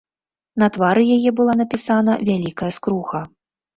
На твары яе была напісана вялікая скруха.